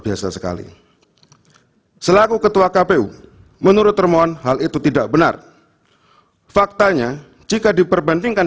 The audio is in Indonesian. biasa sekali selaku ketua kpu menurut termohon hal itu tidak benar faktanya jika diperbandingkan